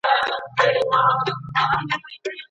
زړه یې ووتی له واکه نا ارام سو